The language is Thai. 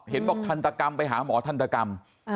เห็นบอกทันตกรรมไปหาหมอทันตกรรม